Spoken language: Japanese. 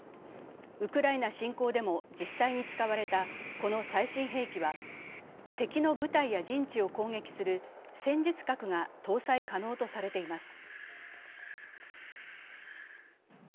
ウクライナ侵攻でも実際に使われたこの最新兵器は敵の部隊や陣地を攻撃する戦術核が搭載可能とされています。